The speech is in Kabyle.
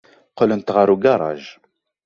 Qqlent ɣer ugaṛaj.